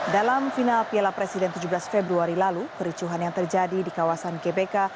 dalam final piala presiden tujuh belas februari lalu kericuhan yang terjadi di kawasan gbk